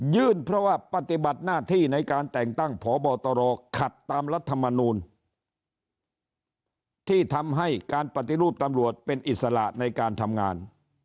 เพราะว่าปฏิบัติหน้าที่ในการแต่งตั้งพบตรขัดตามรัฐมนูลที่ทำให้การปฏิรูปตำรวจเป็นอิสระในการทำงาน